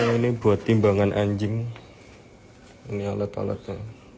ini buat timbangan anjing ini alat alatnya